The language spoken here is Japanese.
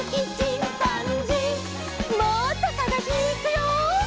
もっとさがしにいくよ！